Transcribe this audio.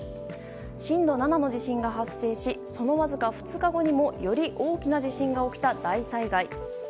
震度７の地震が発生しそのわずか２日後にもより大きな地震が起きた大災害。